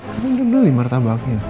kamu udah beli martabaknya